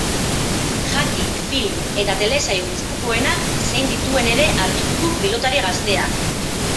Jaki, film eta telesail gustukoenak zein dituen ere argitu du pilotari gazteak.